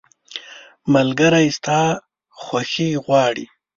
ملګری ستا خوښي غواړي.